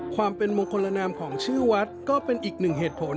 ความเป็นมงคลละนามของชื่อวัดก็เป็นอีกหนึ่งเหตุผล